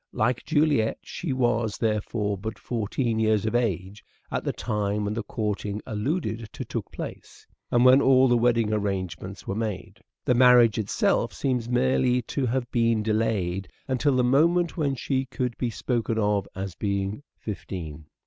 Like Juliet she was, therefore, but fourteen juiiet. years of age at the time when the courting alluded to took place, and when all the wedding arrangements were made. The marriage itself seems merely to have been delayed until the moment when she could be spoken of as being fifteen.